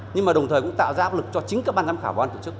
nhưng mà đồng thời cũng tạo ra áp lực cho chính các ban giám khảo ban tổ chức